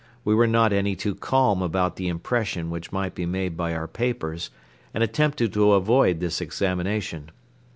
We were not any too calm about the impression which might be made by our papers and attempted to avoid this examination.